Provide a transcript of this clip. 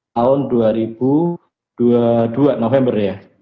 tahun dua ribu dua puluh dua november ya